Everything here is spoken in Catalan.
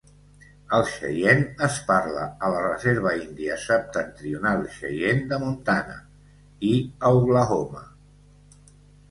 El xeiene es parla a la Reserva Índia Septentrional Xeiene de Montana i a Oklahoma.